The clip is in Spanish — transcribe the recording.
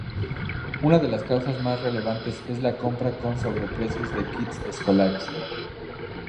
Una de las causas más relevantes es la compra con sobreprecios de kits escolares.